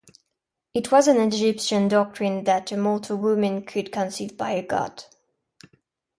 It was an Egyptian doctrine that a mortal woman could conceive by a god.